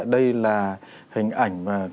đây là hình ảnh mà